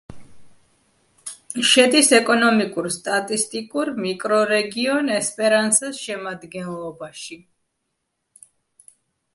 შედის ეკონომიკურ-სტატისტიკურ მიკრორეგიონ ესპერანსას შემადგენლობაში.